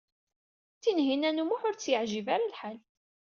Tinhinan u Muḥ ur tt-yeɛjib ara lḥal.